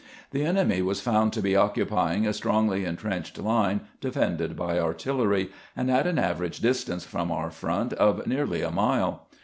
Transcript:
The enemy was found to be occupying a strongly intrenched line defended by artil lery, and at an average distance from our front of nearly a mile.